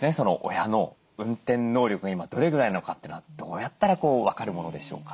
親の運転能力が今どれぐらいなのかっていうのはどうやったら分かるものでしょうか？